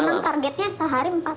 emang targetnya sehari empat